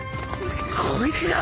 こいつが！？